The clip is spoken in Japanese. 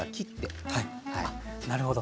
あなるほど。